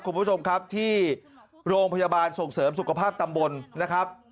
คุณผู้ชมครับที่โรงพยาบาลส่งเสริมสุขภาพตำบลนะครับ